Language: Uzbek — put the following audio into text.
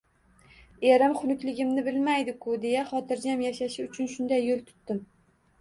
“Erim xunukligimni bilmaydi-ku,” deya xotirjam yashashi uchun shunday yo‘l tutdim.